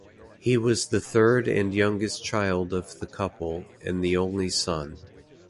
He was the third and youngest child of the couple, and the only son.